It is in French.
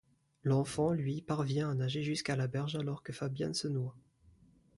L'enfant, lui, parvient à nager jusqu'à la berge alors que Fabian se noie.